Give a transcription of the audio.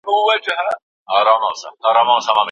ښوونکی هم کله ناکله تېروتنه کوي.